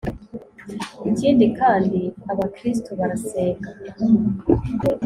Ikindi kandi aba Kristo barasenga